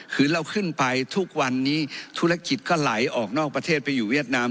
คือเราขึ้นไปทุกวันนี้ธุรกิจก็ไหลออกนอกประเทศไปอยู่เวียดนาม